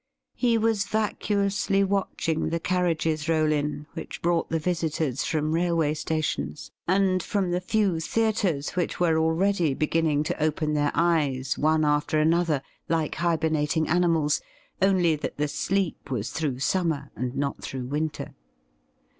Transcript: He was vacuously watching the ' carriages roll in which brought the visitors from railway 82 THE RIDDLE RING stations, and from the few theatres which were already beginning to open their eyes one after another, like hibernating animals, only that the sleep was through summer, and not through winter.